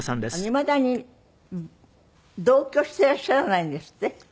いまだに同居していらっしゃらないんですって？